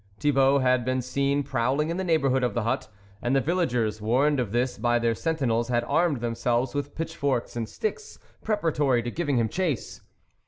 Thi bault had been seen prowling in the neighbourhood of the hut, and the villagers, warned of this by their sentinels, had armed themselves with pitch forks and sticks preparatory to giving him chase.